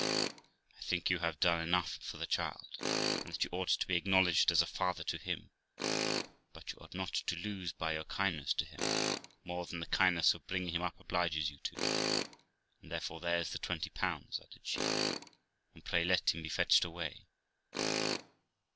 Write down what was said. I think you have done enough for the child, and that you ought to be acknowledged as a fathe^ to him, but you ought not to lose by your kindness to him, more than the kindness of bringing him up obliges you to; and therefore there's the 20', added she, 'and pray let him be fetched away.'